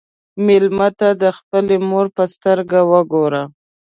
مېلمه ته د خپلې مور په سترګو وګوره.